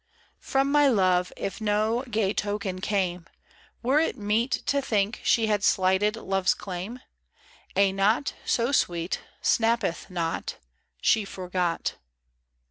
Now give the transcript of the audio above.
From my love if no gay token came, Were it meet To think she had slighted love's claim ? A knot So sweet Snappeth not ; She forgot.